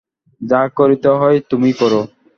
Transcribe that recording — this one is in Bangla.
যা করিতে হয় তুমি করো।